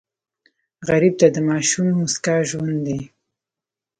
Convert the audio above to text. غریب ته د ماشوم موسکا ژوند دی